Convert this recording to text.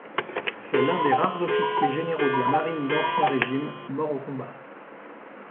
C'est l'un des rares officiers généraux de la marine d'Ancien Régime morts au combat.